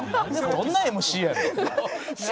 どんなＭＣやねん！